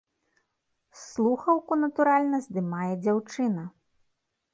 Слухаўку, натуральна, здымае дзяўчына.